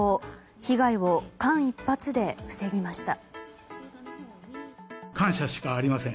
被害を間一髪で防ぎました。